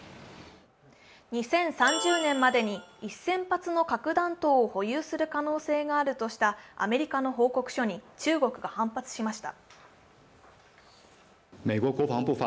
２０３０年までに１０００発の核弾頭を保有する可能性があるとしたアメリカの報告書に中国が反発しました。